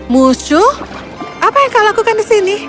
musuh apa yang kau lakukan di sini